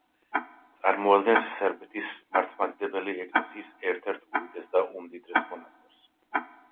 წარმოადგენს სერბეთის მართლმადიდებელი ეკლესიის ერთ-ერთ უდიდეს და უმდიდრეს მონასტერს.